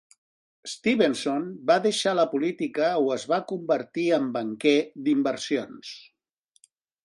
Stevenson va deixar la política o es va convertir en banquer d"inversions.